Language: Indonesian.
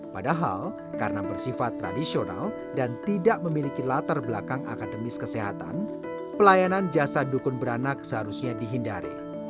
padahal karena bersifat tradisional dan tidak memiliki latar belakang akademis kesehatan pelayanan jasa dukun beranak seharusnya dihindari